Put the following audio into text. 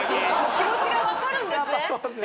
気持ちがわかるんですね。